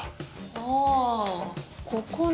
ああここね。